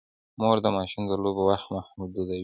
مور د ماشوم د لوبو وخت محدودوي.